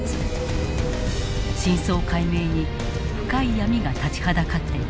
真相解明に深い闇が立ちはだかっている。